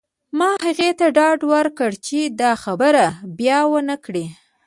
ما هغې ته ډاډ ورکړ چې دا خبره بیا ونه کړې